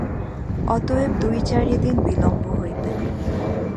অতএব দুই-চারি দিন বিলম্ব হইবে।